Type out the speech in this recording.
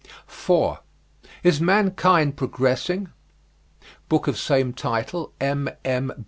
IS MANKIND PROGRESSING? Book of same title, M.M.